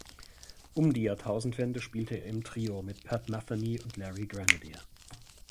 Um die Jahrtausendwende spielte er im Trio mit Pat Metheny und Larry Grenadier.